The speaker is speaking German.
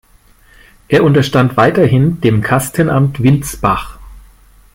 Er unterstand weiterhin dem Kastenamt Windsbach.